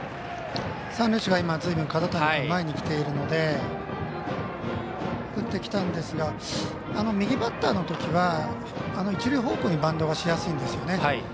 三塁手、角谷君ずいぶん前に来ているので打ってきたんですが右バッターのときは一塁方向にバントがしやすいんですよね。